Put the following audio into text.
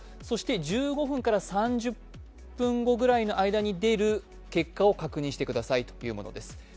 そして１５分から３０分後ぐらいに出る結果を確認してくださいというものです。